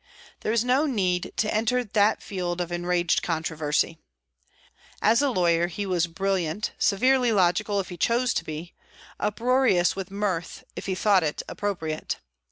There is no need to enter that field of enraged controversy. As a lawyer he was brilliant, severely logical, if he chose to be, uproarious with mirth if he thought it appropriate.